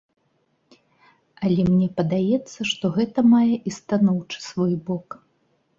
Але мне падаецца, што гэта мае і станоўчы свой бок.